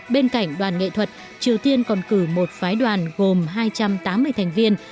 bên cạnh đoàn nghệ thuật triều tiên còn cử một phái đoàn gồm hai trăm tám mươi thành viên